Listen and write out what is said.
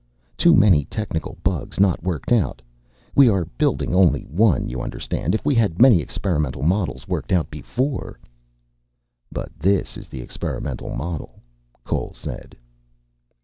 Too many technical bugs not worked out. We are building only one, you understand. If we had many experimental models worked out before " "But this is the experimental model," Cole said.